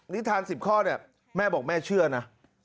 นิทาน๑๐ข้อเนี่ยแม่บอกแม่เชื่อนะ